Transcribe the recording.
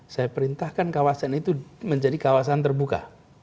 saya perintahkan kawasan itu menjadi kawasan terbuka